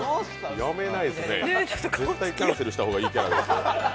やめないですね、絶対キャンセルした方がいいキャラですよ。